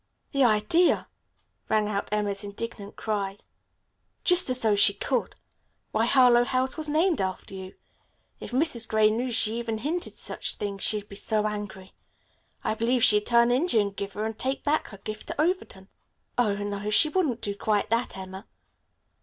"The idea!" rang out Emma's indignant cry. "Just as though she could. Why, Harlowe House was named for you. If Mrs. Gray knew she even hinted such thing she'd be so angry. I believe she'd turn Indian giver and take back her gift to Overton." "Oh, no, she wouldn't do quite that, Emma."